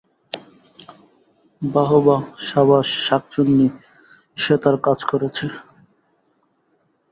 বাহবা, সাবাস, শাঁকচুন্নী! সে তাঁর কাজ করছে।